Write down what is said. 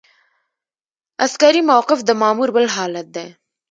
عسکري موقف د مامور بل حالت دی.